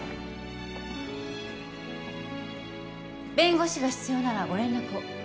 弁護士が必要ならご連絡を。